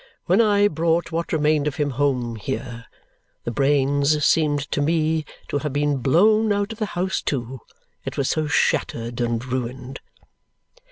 When I brought what remained of him home here, the brains seemed to me to have been blown out of the house too, it was so shattered and ruined."